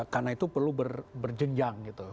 karena itu perlu berjenjang gitu